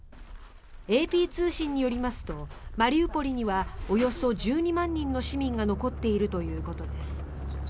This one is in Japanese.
ＡＰ通信によりますとマリウポリにはおよそ１２万人の市民が残っているということです。